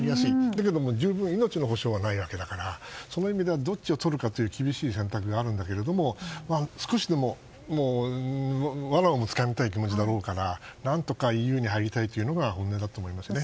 だけども命の保証はないわけだからどっちをとるかという厳しい選択があるんだけど少しでもわらをもつかみたい気持ちだろうから何とかＥＵに入りたいというのが本音だと思いますね。